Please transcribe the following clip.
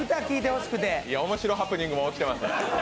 おもしろハプニングも起きてます。